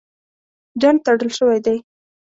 ډنډ تړل شوی دی.